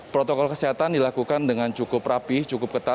protokol kesehatan dilakukan dengan cukup rapuh